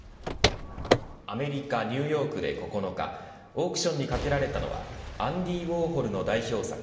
アメリカ、ニューヨークで９日オークションにかけられたのはアンディ・ウォーホルの代表作